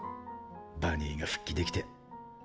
バニーが復帰できて。